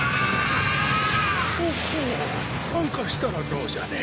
参加したらどうじゃね。